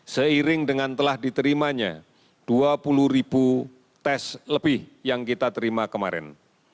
seiring dengan telah diterimanya dua puluh ribu tes lebih yang kita terima kemarin